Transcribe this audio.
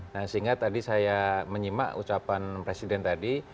nah sehingga tadi saya menyimak ucapan presiden tadi